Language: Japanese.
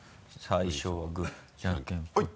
最初はグーじゃんけんぽい！